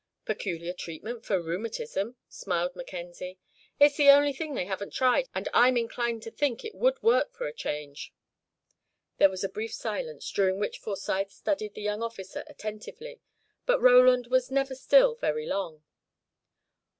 "Peculiar treatment for rheumatism," smiled Mackenzie. "It's the only thing they haven't tried, and I'm inclined to think it would work a change." There was a brief silence, during which Forsyth studied the young officer attentively, but Ronald was never still very long.